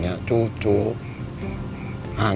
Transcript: anak udah besar